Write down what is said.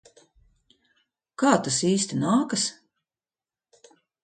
Kā tas īsti nākas?